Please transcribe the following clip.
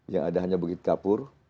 yang ada hanya bukit kapur